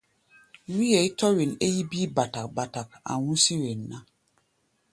Wíʼɛi tɔ̧́ wen é yí bíí báták-báták, a̧ hú̧sí̧ wen ná.